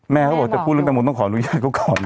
เขาบอกจะพูดเรื่องแตงโมต้องขออนุญาตเขาก่อนนะ